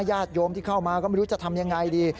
ญาติโยมที่เข้ามาก็ไม่รู้จะทำยังไงดี